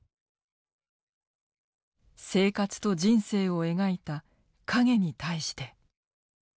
「生活と人生」を描いた「影に対して」。